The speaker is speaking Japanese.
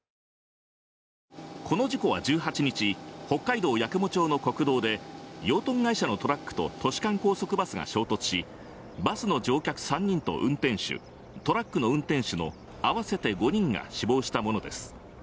この事故は１８日、北海道八雲町の国道で、養豚会社のトラックと都市間高速バスが衝突しバスの乗客３人と運転手、トラックの運転手の合わせて５人が死亡したものです。